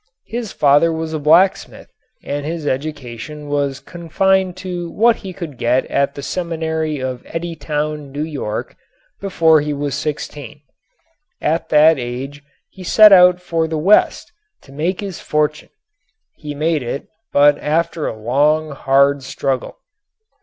His father was a blacksmith and his education was confined to what he could get at the seminary of Eddytown, New York, before he was sixteen. At that age he set out for the West to make his fortune. He made it, but after a long, hard struggle.